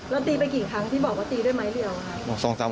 แล้วตีไปกี่ครั้งที่บอกว่าตีด้วยไม้เรียวค่ะ